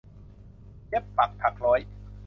เย็บปักถักร้อย